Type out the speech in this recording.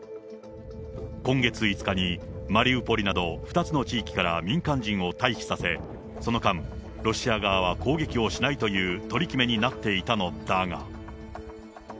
今月５日にマリウポリなど２つの地域から民間人を退避させ、その間、ロシア側は攻撃をしないという取り決めになっていたのだが。